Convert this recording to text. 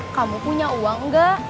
kamu punya uang gak